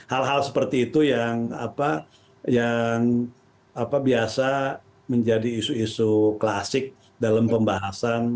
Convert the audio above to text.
hal hal seperti itu yang biasa menjadi isu isu klasik dalam pembahasan